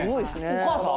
お母さん？